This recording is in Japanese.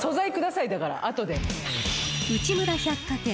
［内村百貨店。